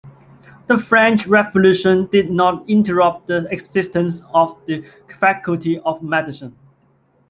The French Revolution did not interrupt the existence of the faculty of medicine.